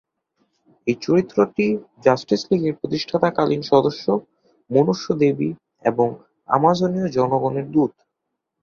এই চরিত্রটি জাস্টিস লিগের প্রতিষ্ঠাকালীন সদস্য, মনুষ্য-দেবী, এবং আমাজনীয় জনগণের দূত।